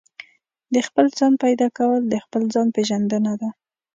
د خپل ځان پيدا کول د خپل ځان پېژندنه ده.